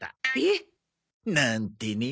えっ！なんてね。